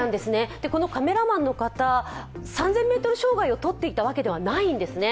このカメラマンの方３０００ｍ障害を撮っていたわけではないんですね。